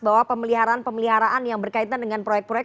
bahwa pemeliharaan pemeliharaan yang berkaitan dengan proyek proyek